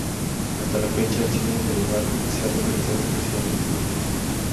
Hasta la fecha, el síndrome de Barth se ha localizado exclusivamente en hombres.